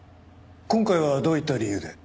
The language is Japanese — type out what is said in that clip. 今回はどういった理由で？